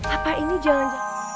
apa ini jangan